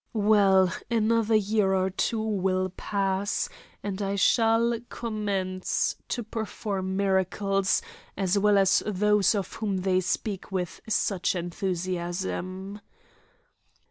Well, another year or two will pass, and I shall commence to perform miracles as well as those of whom they speak with such enthusiasm.